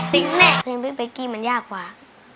เพราะพี่เบกี้มันยากกว่า